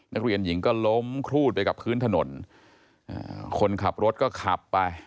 นักเรียนหญิงก็ล้มครูดไปกับพื้นถนนคนขับรถก็ขับไป